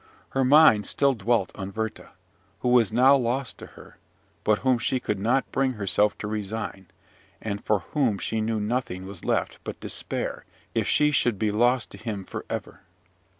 Her mind still dwelt on Werther, who was now lost to her, but whom she could not bring herself to resign, and for whom she knew nothing was left but despair if she should be lost to him for ever.